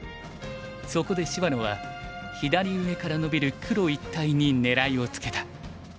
そこで芝野は左上から伸びる黒一帯に狙いをつけた。